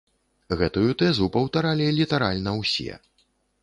Гэтую тэзу паўтаралі літаральна ўсе.